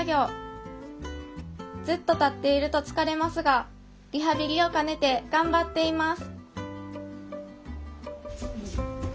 ずっと立っていると疲れますがリハビリを兼ねて頑張っています